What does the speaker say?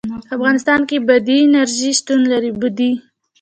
په افغانستان کې بادي انرژي شتون لري.